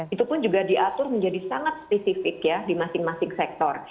itu pun juga diatur menjadi sangat spesifik ya di masing masing sektor